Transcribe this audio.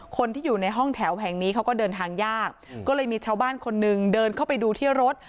คนที่อยู่ในห้องแถวแห่งนี้เขาก็เดินทางยากก็เลยมีชาวบ้านคนหนึ่งเดินเข้าไปดูที่รถ